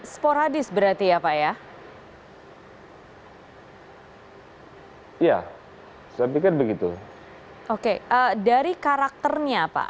sporadis berarti ya pak